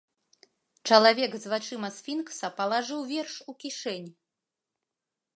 Чалавек з вачыма сфінкса палажыў верш у кішэнь.